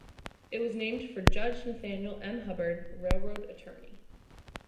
It was named for Judge Nathaniel M. Hubbard, railroad attorney.